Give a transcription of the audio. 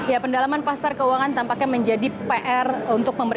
ya pendalaman pasar keuangan tampaknya menjadi pr untuk pemerintah